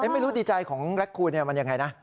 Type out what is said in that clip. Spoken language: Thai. ไม่รู้ดีใจของแร็คคูณมันยังไงนะ